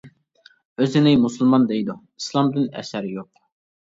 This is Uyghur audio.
ئۆزىنى مۇسۇلمان دەيدۇ، ئىسلامدىن ئەسەر يوق.